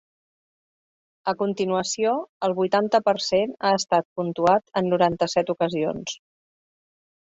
A continuació, el vuitanta per cent ha estat puntuat en noranta-set ocasions.